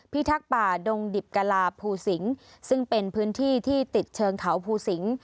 ทักษ์ป่าดงดิบกะลาภูสิงซึ่งเป็นพื้นที่ที่ติดเชิงเขาภูสิง